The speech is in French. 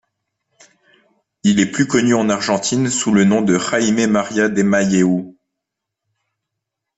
Il est plus connu en Argentine sous le nom de Jaime Maria de Mahieu.